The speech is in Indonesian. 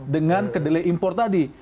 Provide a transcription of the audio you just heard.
dengan kedelai impor tadi